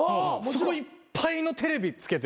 そこいっぱいのテレビつけてるんですよ